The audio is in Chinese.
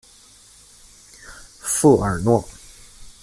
富尔诺。